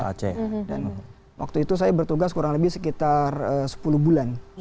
dan waktu itu saya bertugas kurang lebih sekitar sepuluh bulan